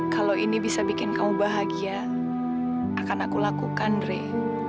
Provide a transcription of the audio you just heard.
kalau ini bisa bikin kamu bahagia akan aku lakukan rey